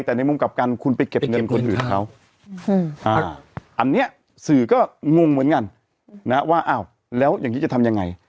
แต่ในมุมกลับกันคุณไปเก็บเงินคนอื่นเขาอันนี้สื่อก็งงเหมือนกันนะว่าอ้าวแล้วอย่างนี้จะทำยังไง